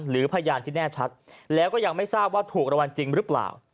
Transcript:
หรือพยานที่แน่ชัดแล้วก็ยังไม่ทราบว่าถูกรางวัลจริงหรือเปล่า